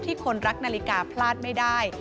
คนรักนาฬิกาพลาดไม่ได้